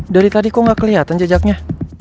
dari tadi kok gak kelihatan jejaknya